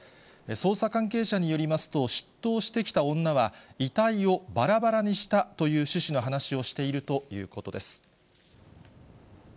捜査関係者によりますと、出頭してきた女は、遺体をばらばらにしたという趣旨の話をしているということです。